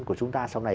của chúng ta sau này